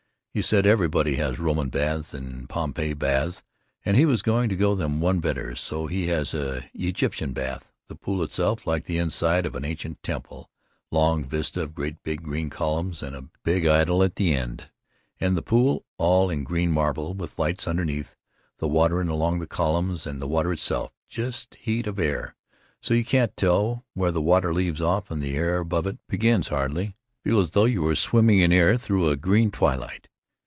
He said everybody has Roman baths and Pompei baths and he was going to go them one better, so he has an Egyptian bath, the pool itself like the inside of an ancient temple, long vista of great big green columns and a big idol at the end, and the pool all in green marble with lights underneath the water and among the columns, and the water itself just heat of air, so you can't tell where the water leaves off and the air above it begins, hardly, and feel as though you were swimming in air through a green twilight.